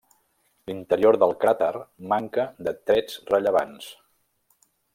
L'interior del cràter manca de trets rellevants.